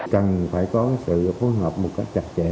cần phải có sự phối hợp một cách chặt chẽ